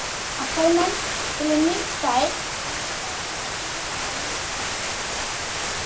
Akerman's filming style relies on capturing ordinary life.